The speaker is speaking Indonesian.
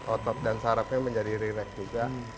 otot dan syarapnya menjadi rileks juga